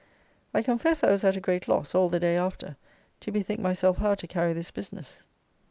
I confess I was at a great loss, all the day after, to bethink myself how to carry this business.